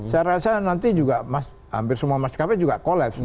saya rasa nanti juga hampir semua maskapai juga kolaps